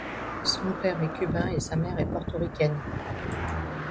Son père est cubain et sa mère est portoricaine.